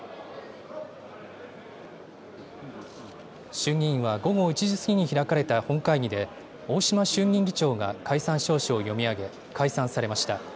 衆議院は午後１時過ぎに開かれた本会議で、大島衆議院議長が解散詔書を読み上げ、解散されました。